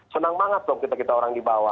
senang banget loh kita kita orang di bawah